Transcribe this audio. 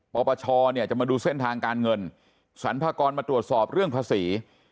ปปชเนี่ยจะมาดูเส้นทางการเงินสรรพากรมาตรวจสอบเรื่องภาษี